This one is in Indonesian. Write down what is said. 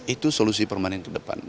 itu solusi permanen ke depan